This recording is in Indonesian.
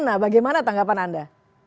nah bagaimana tanggapan anda